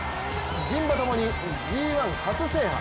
人馬ともにＧⅠ初制覇。